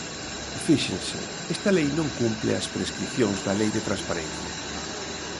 Fíxense, esta lei non cumpre as prescricións da Lei de transparencia.